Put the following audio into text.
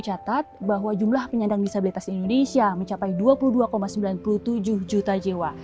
catat bahwa jumlah penyandang disabilitas indonesia mencapai dua puluh dua sembilan puluh tujuh juta jiwa